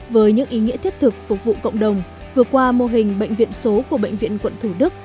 với những ý nghĩa thiết thực phục vụ cộng đồng vừa qua mô hình bệnh viện số của bệnh viện quận thủ đức